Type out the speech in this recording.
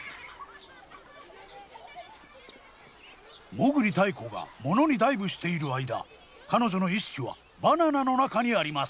裳繰泰子がモノにダイブしている間彼女の意識はバナナの中にあります。